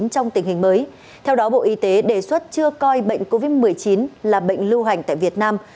trong tình hình mới theo đó bộ y tế đề xuất chưa coi bệnh covid một mươi chín là bệnh lưu hành tại việt nam